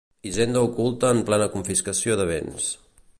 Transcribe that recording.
Hisenda oculta en plena confiscació de béns.